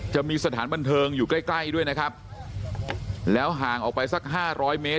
จะมีสถานบันเทิงอยู่ใกล้ใกล้ด้วยนะครับแล้วห่างออกไปสักห้าร้อยเมตร